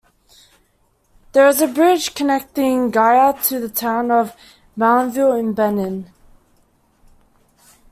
There is a bridge connecting Gaya to the town of Malanville in Benin.